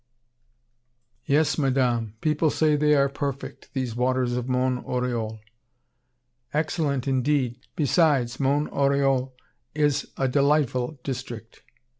"'Yes, Madame. People say they are perfect, these waters of Mont Oriol.' "'Excellent, indeed. Besides, Mont Oriol is a delightful district.'"